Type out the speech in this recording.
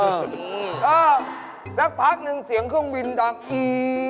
เออสักพักหนึ่งเสียงเครื่องบินดังอืม